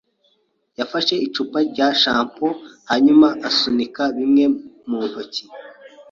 yafashe icupa rya shampoo hanyuma asunika bimwe mu ntoki.